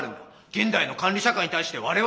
現代の管理社会に対してわれわれは。